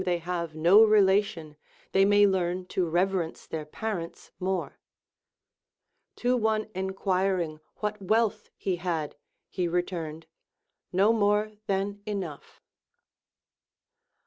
they have no relation, they may learn to reverence their parents more. To one enquiring what wealth he had, he returned, No more than enough.